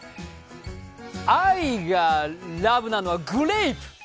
アイがラブなのはグレープ！